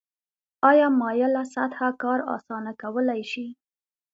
آیا مایله سطحه کار اسانه کولی شي؟